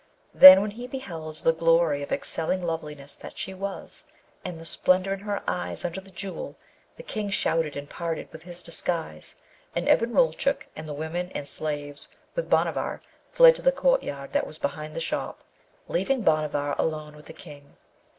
Then when he beheld the glory of excelling loveliness that she was, and the splendour in her eyes under the Jewel, the King shouted and parted with his disguise, and Ebn Roulchook and the women and slaves with Bhanavar fled to the courtyard that was behind the shop, leaving Bhanavar alone with the King.